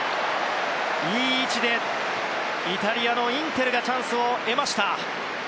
いい位置でイタリアのインテルがチャンス。